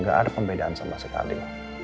tidak ada kebedaan sama sekali